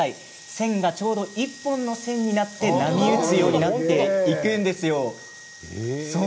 線が１本の線になって波打つようになっていくんですよ。